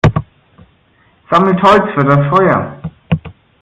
Sammelt Holz für das Feuer!